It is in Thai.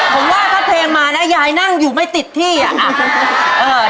ผมว่าถ้าเพลงมานะยายนั่งอยู่ไม่ติดที่อ่ะเอ่อ